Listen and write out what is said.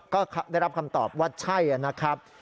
ก็ได้รับคำตอบว่าใช่นะครับ